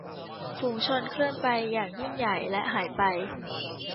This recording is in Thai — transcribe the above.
ฝูงชนเคลื่อนไปอย่างยิ่งใหญ่และหายไป